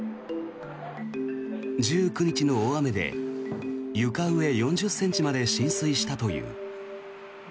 １９日の大雨で床上４０ｃｍまで浸水したという。